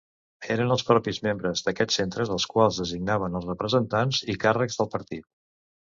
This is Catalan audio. Eren els propis membres d'aquests centres els quals designaven als representants i càrrecs del partit.